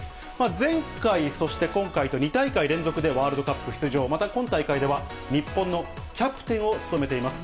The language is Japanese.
前回、そして今回と、２大会連続でワールドカップ出場、また今大会では、日本のキャプテンを務めています。